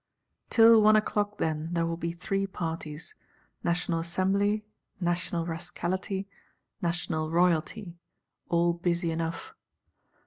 Till one o'clock, then, there will be three parties, National Assembly, National Rascality, National Royalty, all busy enough.